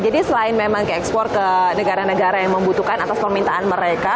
jadi selain memang ekspor ke negara negara yang membutuhkan atas permintaan mereka